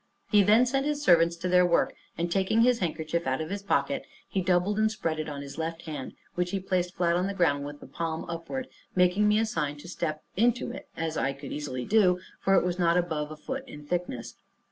He then sent his servants to their work, and taking his handkerchief out of his pocket, he doubled and spread it on his left hand, which he placed flat on the ground with the palm upward, making me a sign to step into it, as I could easily do, for it was not above a foot in thickness.